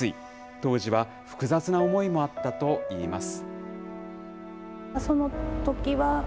当時は複雑な思いもあったといいます。